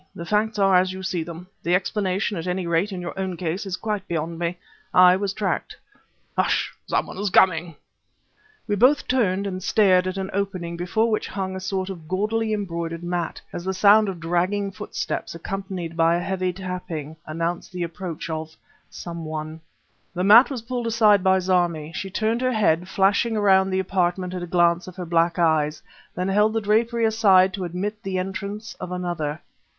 "The facts are as you see them; the explanation, at any rate in your own case, is quite beyond me. I was tracked ..." "Hush! some one is coming!" We both turned and stared at an opening before which hung a sort of gaudily embroidered mat, as the sound of dragging footsteps, accompanied by a heavy tapping, announced the approach of some one. The mat was pulled aside by Zarmi. She turned her head, flashing around the apartment a glance of her black eyes, then held the drapery aside to admit the entrance of another....